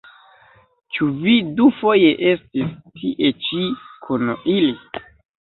Ĉu vi dufoje estis tie-ĉi kun ili?